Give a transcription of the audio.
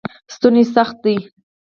ستوني سخت دی.